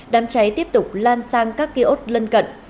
đám cháy tiếp tục lan sang các kia ốt lân cận